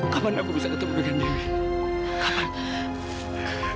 kapan aku bisa ketemu dengan dewi kapan